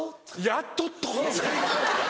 「やっとっと？」！